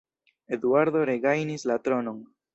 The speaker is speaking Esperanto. Eduardo regajnis la tronon.